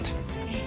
ええ。